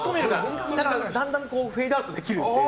だから、だんだんフェードアウトできるので。